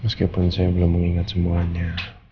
meskipun saya belum mengingat semuanya